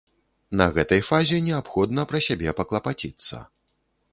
На гэтай фазе неабходна пра сябе паклапаціцца.